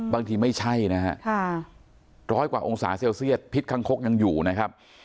ไม่ใช่นะฮะร้อยกว่าองศาเซลเซียตพิษคังคกยังอยู่นะครับ